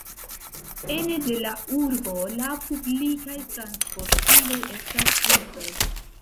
Ene de la urbo, la publikaj transportiloj estas busoj.